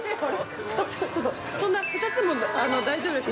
◆ちょっと、そんな２つも大丈夫です。